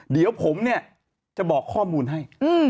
เดี๋ยวผมเนี่ยจะบอกข้อมูลให้